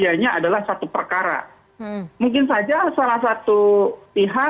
mringsit itu sangat mencoba punya turut diatur dengan nalpangan public